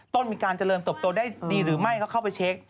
ต้นมีการเจริญเติบโตได้ดีหรือไม่ก็เข้าไปเช็ค